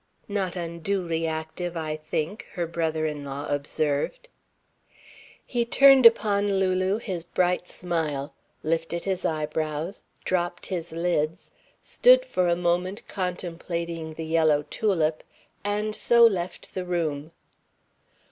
"Not unduly active, I think," her brother in law observed. He turned upon Lulu his bright smile, lifted his eyebrows, dropped his lids, stood for a moment contemplating the yellow tulip, and so left the room.